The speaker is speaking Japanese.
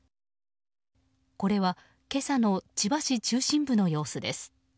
これは今朝の千葉市中心部の様子です。